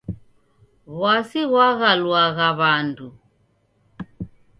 W'asi ghwaghaluagha w'andu.